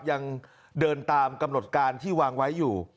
ยังเดินตามกำหนดการที่วางไว้อยู่